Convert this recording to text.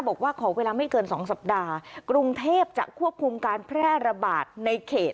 บอกว่าขอเวลาไม่เกินสองสัปดาห์กรุงเทพจะควบคุมการแพร่ระบาดในเขต